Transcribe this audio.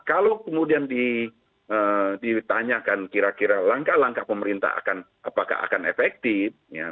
kalau kemudian ditanyakan kira kira langkah langkah pemerintah apakah akan efektif